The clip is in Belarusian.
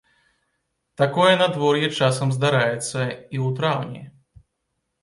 Такое надвор'е часам здараецца і ў траўні.